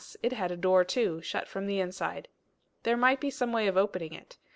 it had a door too, shut from the inside. There might be some way of opening it.